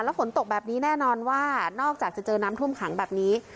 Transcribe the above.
ฝนตกแบบนี้แน่นอนว่านอกจากจะเจอน้ำท่วมขังแบบนี้